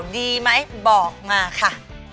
ดีไหมบอกมาค่ะ